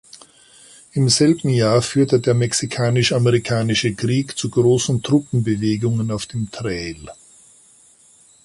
Im selben Jahr führte der Mexikanisch-Amerikanische Krieg zu großen Truppenbewegungen auf dem Trail.